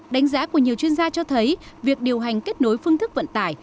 đánh giá của nhiều chuyên gia cho thấy việc điều hành kết nối phương thức vận tải